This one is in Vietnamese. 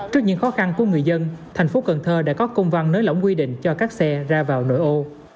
trước những khó khăn của người dân thành phố cần thơ đã có công văn nới lỏng quy định cho các xe ra vào nội ô